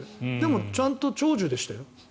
ちゃんと長寿でしたよ。